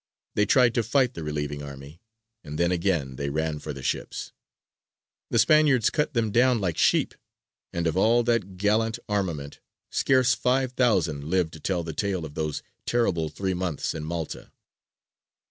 They tried to fight the relieving army, and then again they ran for the ships. The Spaniards cut them down like sheep, and of all that gallant armament scarce five thousand lived to tell the tale of those terrible three months in Malta.